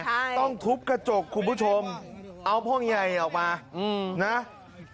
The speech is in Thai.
ใช่ต้องทุบกระจกคุณผู้ชมเอาพ่อใหญ่ออกมาอืมนะ